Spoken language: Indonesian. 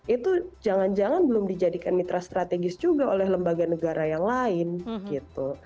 itu jangan jangan belum dijadikan mitra strategis juga oleh lembaga negara yang lain gitu